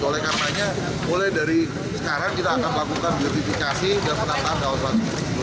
oleh karena mulai dari sekarang kita akan lakukan verifikasi dan penataan kawasan